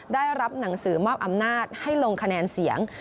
ได้รับหนังสือมอบอำนาจให้ลงคะแนนเสียง